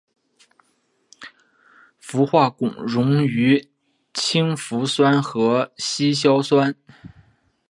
氟化汞溶于氢氟酸和稀硝酸。